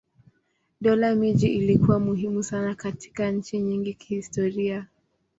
Dola miji ilikuwa muhimu sana katika nchi nyingi kihistoria.